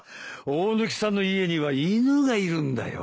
大貫さんの家には犬がいるんだよ。